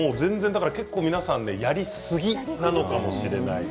皆さん、やりすぎなのかもしれません。